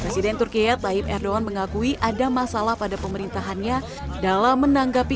presiden turkiye tayyip erdogan mengakui ada masalah pada pemerintahannya dalam menanggapi